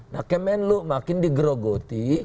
nah kemenlu makin digerogoti